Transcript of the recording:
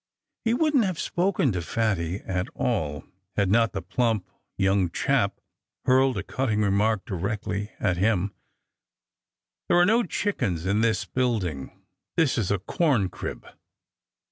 He wouldn't have spoken to Fatty at all had not that plump young chap hurled a cutting remark directly at him: "There are no chickens in this building. This is a corncrib."